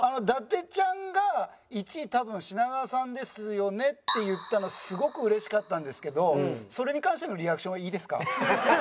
伊達ちゃんが「１位多分品川さんですよね？」って言ったのすごく嬉しかったんですけどそれに関してのリアクションはいいですか？